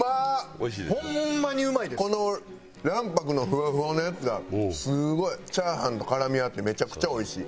この卵白のふわふわのやつがすごいチャーハンと絡み合ってめちゃくちゃおいしい。